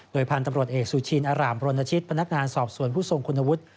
พันธุ์ตำรวจเอกสุชินอร่ามรณชิตพนักงานสอบสวนผู้ทรงคุณวุฒิ